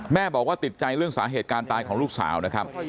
แม่บอกว่าติดใจเรื่องสาเหตุการณ์ตายของลูกสาวนะครับ